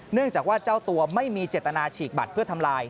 เนื่องจากว่าเจ้าตัวไม่มีเจตนาฉีกบัตรเพื่อทำลาย